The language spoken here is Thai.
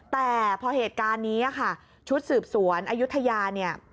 แต่พอเหตุการณ์นี้ค่ะชุดสืบสวนอายุทยาเนี่ย